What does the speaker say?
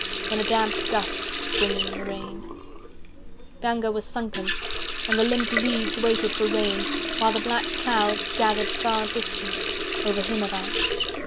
Then a damp gust Bringing rain Ganga was sunken, and the limp leaves 395 Waited for rain, while the black clouds Gathered far distant, over Himavant.